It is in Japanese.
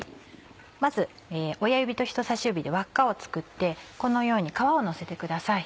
まず親指と人さし指で輪っかを作ってこのように皮をのせてください。